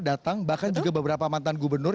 datang bahkan juga beberapa mantan gubernur